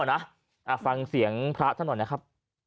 นะฟังเสียงพระท่านหน่อยนะครับ